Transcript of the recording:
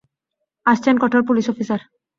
আসছেন কঠোর police officer!